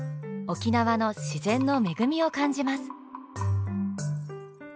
沖縄の自然の恵みを感じます。